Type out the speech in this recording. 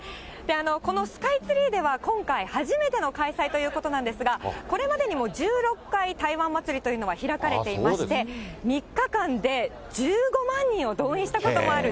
このスカイツリーでは今回初めての開催ということなんですが、これまでにも１６回台湾祭というのは開かれていまして、３日間で１５万人を動員したこともある、